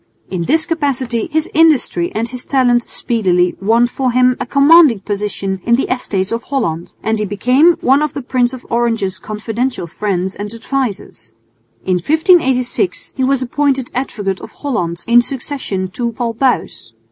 In this capacity his industry and his talent speedily won for him a commanding position in the Estates of Holland, and he became one of the Prince of Orange's confidential friends and advisers. In 1586 he was appointed Advocate of Holland in succession to Paul Buys.